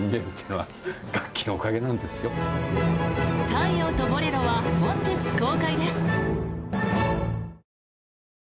「太陽とボレロ」は本日公開です。